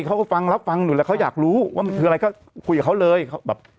เขาก็ฟังรับฟังอยู่แล้วเขาอยากรู้ว่ามันคืออะไรก็คุยกับเขาเลยเขาแบบ